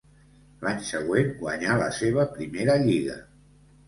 L'any següent guanyà la seva primera lliga.